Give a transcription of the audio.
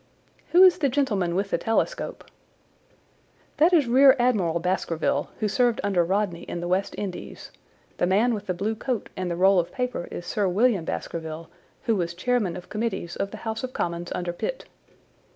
"Who is the gentleman with the telescope?" "That is Rear Admiral Baskerville, who served under Rodney in the West Indies. The man with the blue coat and the roll of paper is Sir William Baskerville, who was Chairman of Committees of the House of Commons under Pitt."